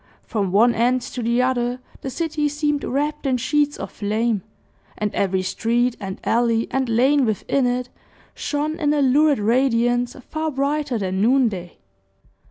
From one end to the other, the city seemed wrapped in sheets of flame, and every street, and alley, and lane within it shone in a lurid radiance far brighter than noonday.